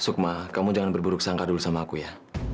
sukma kamu jangan berburuk sangka dulu sama aku ya